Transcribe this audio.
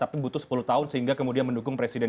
tapi butuh sepuluh tahun sehingga kemudian mendukung presiden